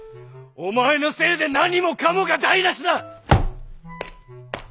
お前のせいで何もかもが台なしだ！